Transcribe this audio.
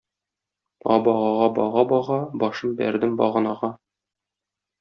Абагага бага-бага, башым бәрдем баганага.